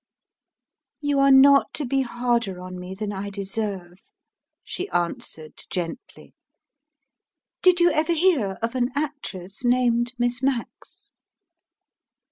"You are not to be harder on me than I deserve," she answered, gently. "Did you ever hear of an actress named Miss Max?"